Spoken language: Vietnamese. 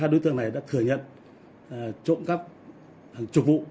hai đối tượng này đã thừa nhận trộm cắp hàng chục vụ